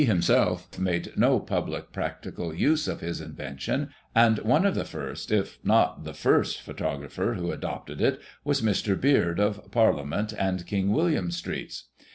185 himself, made no public practical use of his invention, and one of the first, if not the first photographer who adopted it was Mr. Beard, of Parliament and King William Streets.